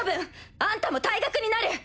あんたも退学になる。